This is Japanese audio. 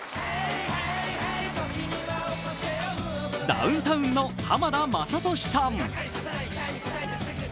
ダウンタウンの浜田雅功さん。